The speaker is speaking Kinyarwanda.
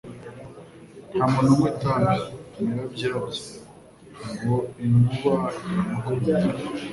Nta muntu unywa itabi imirabyo irabya, ngo inkuba iramukubita